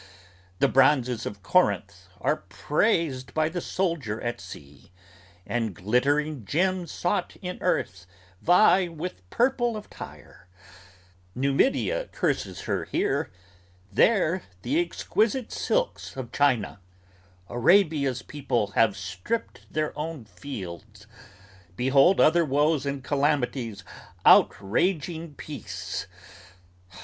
The bronzes of Corinth are praised by the soldier at sea; And glittering gems sought in earth, vie with purple of Tyre; Numidia curses her here, there, the exquisite silks Of China; Arabia's people have stripped their own fields. Behold other woes and calamities outraging peace!